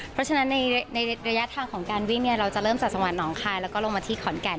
เพราะฉะนั้นในระยะทางของการวิ่งเราจะเริ่มจากจังหวัดหนองคายแล้วก็ลงมาที่ขอนแก่น